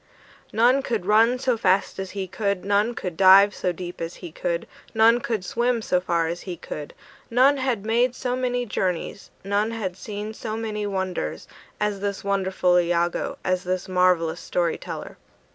None could run so fast as he could, None could dive so deep as he could, None could swim so far as he could; None had made so many journeys, None had seen so many wonders, As this wonderful Iagoo, As this marvellous story teller!